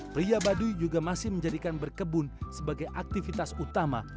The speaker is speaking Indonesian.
pria baduy juga masih menjadikan berkebun sebagai aktivitas utama